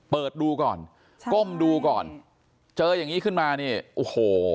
เปิดดูก่อนก้มดูก่อนเจออย่างนี้ขึ้นมาเนี่ยโอ้โห